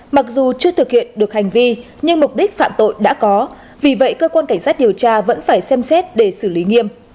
mặc dù chưa thực hiện được hành vi nhưng mục đích phạm tội đã có vì vậy cơ quan cảnh sát điều tra vẫn phải xem xét để xử lý nghiêm